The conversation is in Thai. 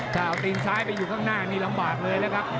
ถ้าเอาตีนซ้ายไปอยู่ข้างหน้านี่ลำบากเลยนะครับ